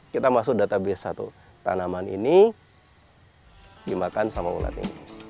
kita masuk database satu tanaman ini dimakan sama ulat ini